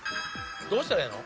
どうしたらええの？